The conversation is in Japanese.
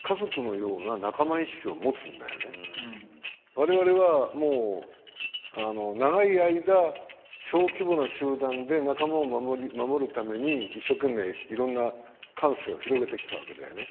我々はもう長い間小規模な集団で仲間を守るために一生懸命いろんな感性を広げてきたわけだよね。